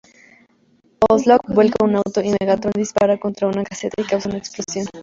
Onslaught vuelca un auto y Megatron dispara contra una caseta y causa una explosión.